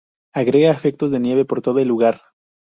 Agrega efectos de nieve por todo el lugar.